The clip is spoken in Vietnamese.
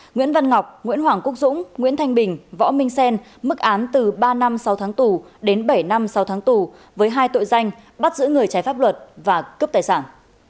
nguyễn văn ngọc nguyễn hoàng quốc dũng nguyễn thanh bình võ minh xen mức án từ ba năm sáu tháng tù đến bảy năm sau tháng tù với hai tội danh bắt giữ người trái pháp luật và cướp tài sản